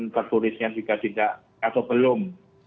tertulisnya juga tidak atau belum